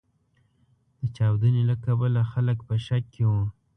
د چاودنې له کبله خلګ په شک کې و.